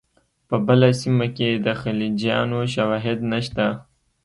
په بله سیمه کې د خلجیانو شواهد نشته.